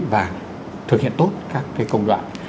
và thực hiện tốt các công đoạn